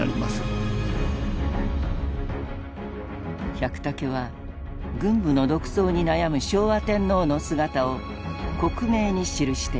百武は軍部の独走に悩む昭和天皇の姿を克明に記していた。